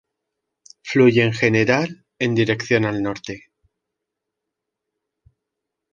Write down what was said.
Fluye en general en dirección al norte.